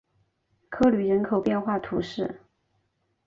科吕人口变化图示